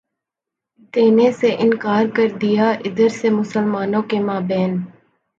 دینے سے انکار کر دیا ادھر سے مسلمانوں کے مابین